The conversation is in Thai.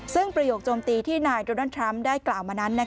ซึ่งประโยคโจมตีที่นายโดนัลดทรัมป์ได้กล่าวมานั้น